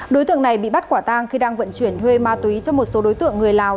đối tượng này bị bắt quả tang khi đang vận chuyển thuê ma túy cho một số đối tượng người lào